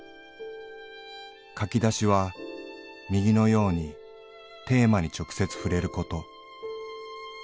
書き出しは右のようにテーマに直接ふれること。